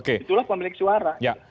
itulah pemilik suara